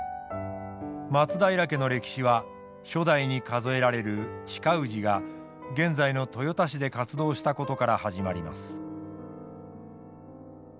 松平家の歴史は初代に数えられる親氏が現在の豊田市で活動したことから始まります。